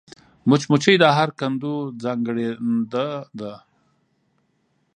مچمچۍ د هر کندو ځانګړېنده ده